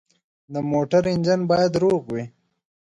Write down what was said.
د موټر انجن باید روغ وي.